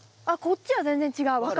あっこっちは全然違う。